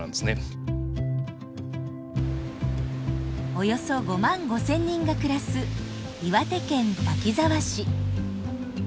およそ５万５，０００人が暮らす岩手県滝沢市。